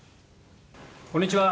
「こんにちは。